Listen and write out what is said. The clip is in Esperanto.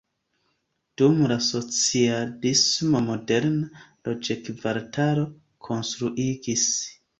Dum la socialismo moderna loĝkvartalo konstruiĝis.